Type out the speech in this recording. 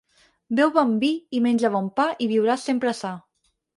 Beu bon vi i menja bon pa i viuràs sempre sa.